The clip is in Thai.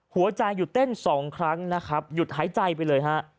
หัวใจหยุดเต้น๒ครั้งนะครับหยุดหายใจไปเลยฮะ